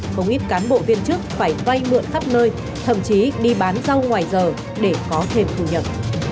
công ít cán bộ viên chức phải vay mượn khắp nơi thậm chí đi bán rau ngoài giờ để có thêm thù nhận